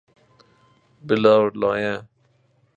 بلورلایه